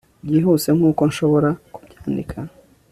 byihuse nkuko nshobora kubyandika